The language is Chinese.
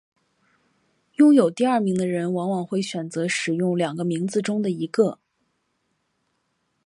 拥有第二名的人往往会选择使用两个名字中的一个。